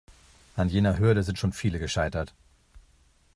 An jener Hürde sind schon viele gescheitert.